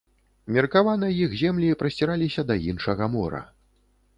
Меркавана іх землі прасціраліся да іншага мора.